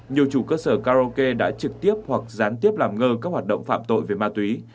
nhiều chủ cơ sở karaoke đã trực tiếp hoặc gián tiếp làm ngơ các hoạt động phạm tội về ma túy